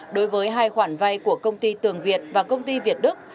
đối với hai khoản vay của công ty tường việt và công ty việt đức